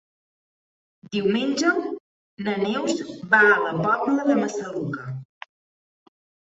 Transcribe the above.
Diumenge na Neus va a la Pobla de Massaluca.